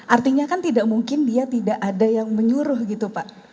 artinya kan tidak mungkin dia tidak ada yang menyuruh gitu pak